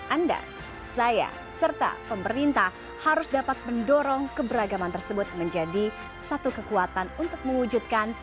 anda saya serta pemerintah harus dapat mendorong keberagaman tersebut menjadi satu kekuatan untuk mewujudkan